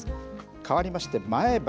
かわりまして前橋。